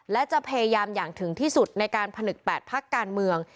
และจะพยายามอย่างถึงที่สุดในการผนึก๘พักการเมือง